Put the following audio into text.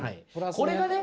これがね